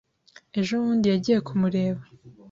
Ejo bundi yagiye kumureba.